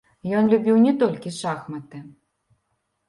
Ён любіў не толькі шахматы.